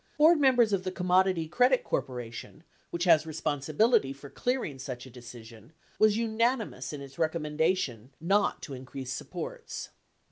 81 Board members of the Commodity Credit Corporation, which has responsibility for clearing such a decision, was unanimous in its recommendation not to increase supports.